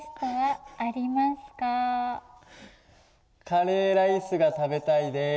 カレーライスが食べたいです。